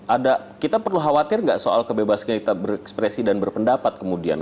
ada kita perlu khawatir nggak soal kebebasan kita berekspresi dan berpendapat kemudian